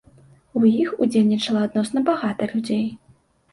У іх удзельнічала адносна багата людзей.